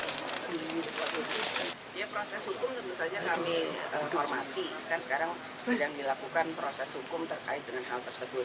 ya proses hukum tentu saja kami hormati kan sekarang sedang dilakukan proses hukum terkait dengan hal tersebut